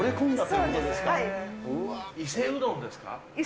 うわー、伊勢うどんですか？